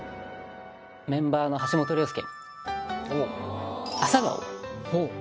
メンバーの橋本良亮。